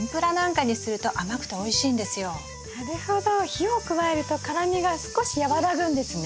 火を加えると辛みが少し和らぐんですね。